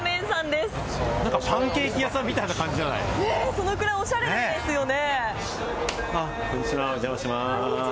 そのくらい、おしゃれですよね。